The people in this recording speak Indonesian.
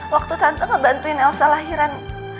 waktu tante ngebantuin nelsa lahiran